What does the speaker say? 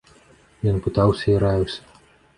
Ён пытаўся і раіўся.